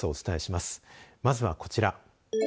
まずは、こちら。